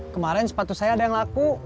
kemarin sepatu saya ada yang laku